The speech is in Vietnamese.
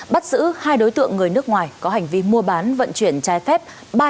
bắt giữ hai đối tượng người nước ngoài có hành vi mua bán vận chuyển trái phép